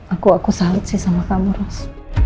aku salut sih sama kamu ros